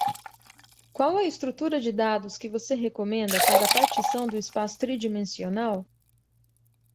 Qual a estrutura de dados que você recomenda para partição do espaço tridimensional?